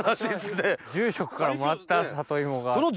住職からもらった里芋が。